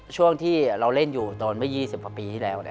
ช่วงที่เราเล่นอยู่ตอนเมื่อ๒๐กว่าปีที่แล้ว